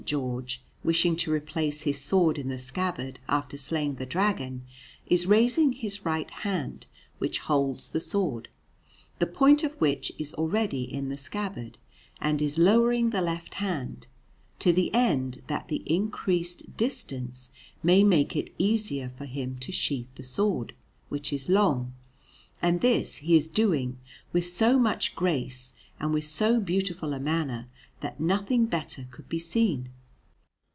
George, wishing to replace his sword in the scabbard after slaying the Dragon, is raising his right hand, which holds the sword, the point of which is already in the scabbard, and is lowering the left hand, to the end that the increased distance may make it easier for him to sheathe the sword, which is long; and this he is doing with so much grace and with so beautiful a manner, that nothing better could be seen.